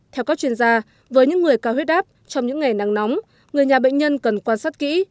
theo các chuyên gia với những người cao huyết áp trong những ngày nắng nóng người nhà bệnh nhân cần quan sát kỹ